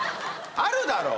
あるだろ？